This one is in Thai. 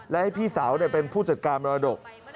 และให้พี่สาวเป็นผู้จัดการมรดก